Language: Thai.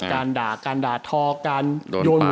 การด่าการด่าทอการโยนหัวหมู